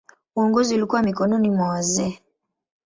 Uongozi ulikuwa mikononi mwa wazee.